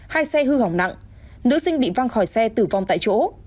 hai xe hư hỏng nặng nữ sinh bị văng khỏi xe tử vong tại chỗ